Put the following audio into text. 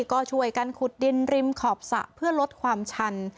ก็ช่วยกันขุดดินริมขอบสระเพื่อลดความชัน